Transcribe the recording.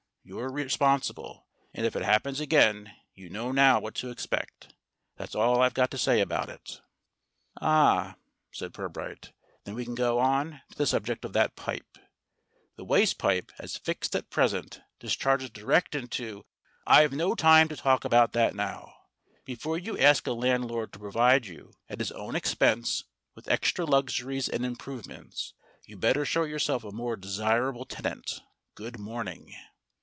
You're responsible; and if it happens again, you know now what to expect. That's all I've got to say about it." SUNNIBROW 139 "Ah," said Pirbright, "then we can go on to the subject of that pipe. The waste pipe, as fixed at present, discharges direct into " "I've no time to talk about that now. Before you ask a landlord to provide you, at his own expense, with extra luxuries and improvements, you'd better show yourself a more desirable tenant. Good morning!"